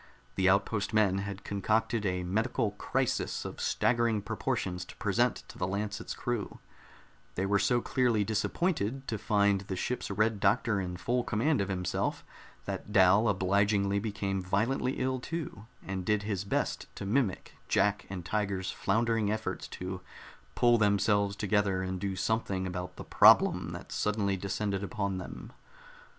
The outpost men had concocted a medical "crisis" of staggering proportions to present to the Lancet's crew; they were so clearly disappointed to find the ship's Red Doctor in full command of himself that Dal obligingly became violently ill too, and did his best to mimick Jack and Tiger's floundering efforts to pull themselves together and do something about the "problem" that suddenly descended upon them.